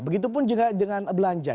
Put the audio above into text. begitupun juga dengan belanja